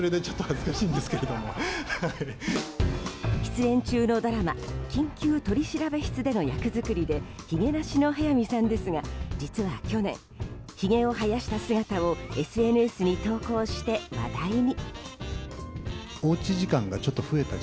出演中のドラマ「緊急取調室」での役作りでひげなしの速水さんですが実は去年ひげを生やした姿をＳＮＳに投稿して、話題に。